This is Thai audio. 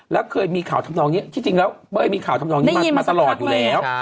แล้วเคยมีข่าวทำนองนี้ที่จริงแล้วเป้ยมีข่าวทำนองนี้มาตลอดอยู่แล้ว